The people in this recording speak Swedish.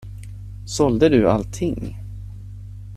Sålde du allting?